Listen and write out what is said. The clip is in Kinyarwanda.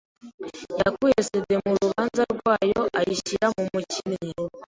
yakuye CD mu rubanza rwayo ayishyira mu mukinnyi.